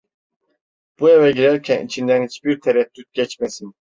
Bu eve girerken içinden hiçbir tereddüt geçmesin...